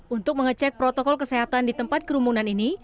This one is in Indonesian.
untuk mengecek protokol kesehatan di tempat kerumunan ini